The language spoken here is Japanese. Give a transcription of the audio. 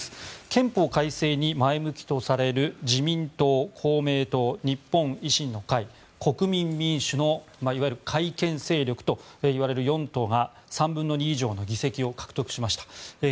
憲法改正に前向きとされる自民党、公明党、日本維新の会国民民主のいわゆる改憲勢力といわれる４党が３分の２以上の議席を獲得しました。